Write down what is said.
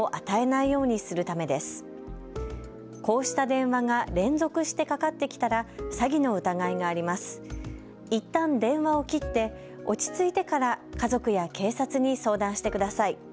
いったん電話を切って落ち着いてから家族や警察に相談してください。